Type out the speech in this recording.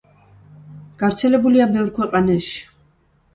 გავრცელებულია ბევრ ქვეყანაში.